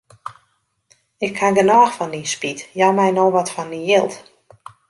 Ik haw genôch fan dyn spyt, jou my no wat fan dyn jild.